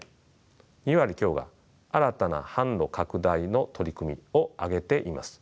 ２割強が「新たな販路拡大の取り組み」を挙げています。